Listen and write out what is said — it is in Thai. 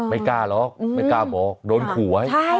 ไม่กล้าหรอกไม่กล้าบอกโดนขู่ไว้